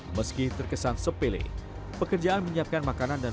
apakah memanfaatkan perbankan untuk keishinaan gempa christian dan